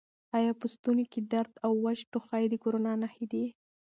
آیا په ستوني کې درد او وچ ټوخی د کرونا نښې دي؟